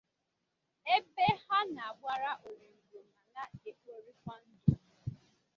ebe ha nọ agbara oringo ma na-ekporikwa ndụ.